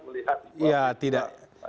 melihat ya tidak